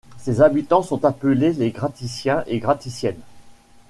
Ses habitants sont appelés les Gratyciens et Gratyciennes.